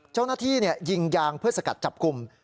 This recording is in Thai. เจ้าหน้าที่ยิงยางเพื่อสกัดจับกลุ่ม